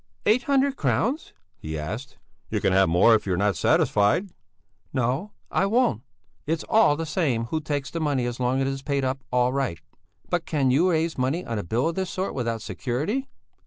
"Eight hundred crowns?" he asked. "You can have more if you are not satisfied." "No, I won't; it's all the same who takes the money as long as it is paid up all right. But can you raise money on a bill of this sort, without security?"